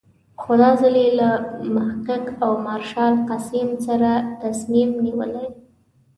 خو دا ځل یې له محقق او مارشال قسیم سره تصمیم نیولی.